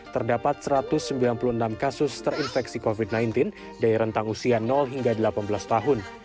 terdapat satu ratus sembilan puluh enam kasus terinfeksi covid sembilan belas dari rentang usia hingga delapan belas tahun